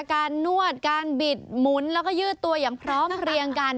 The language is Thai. นวดการบิดหมุนแล้วก็ยืดตัวอย่างพร้อมเพลียงกัน